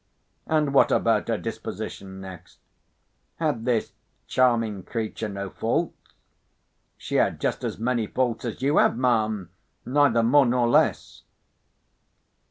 And what about her disposition next? Had this charming creature no faults? She had just as many faults as you have, ma'am—neither more nor less.